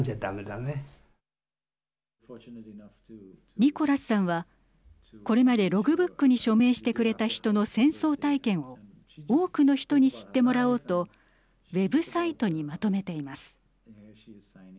ニコラスさんはこれまでログブックに署名してくれた人の戦争体験を多くの人に知ってもらおうとウェブサイトにまとめています。